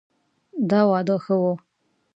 دا واده ښه ؤ